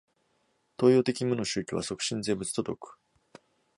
東洋的無の宗教は即心是仏と説く。